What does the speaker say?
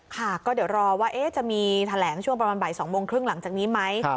ค่ะก็เดี๋ยวรอว่าจะมีแถลงช่วงประมาณบ่าย๒โมงครึ่งหลังจากนี้ไหม